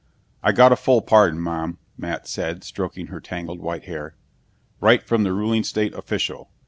"I got a full pardon, Mom," Matt said, stroking her tangled white hair. "Right from the ruling state official.